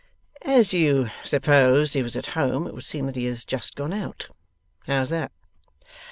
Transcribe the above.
'As you supposed he was at home, it would seem that he has just gone out? How's that?